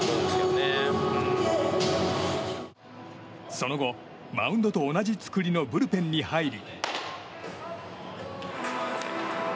その後、マウンドと同じ造りのブルペンに入り。